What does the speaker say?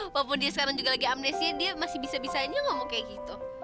walaupun dia sekarang juga lagi amnesti dia masih bisa bisanya ngomong kayak gitu